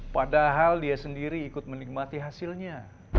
padahal dia sendiri ikut menikmati hasilnya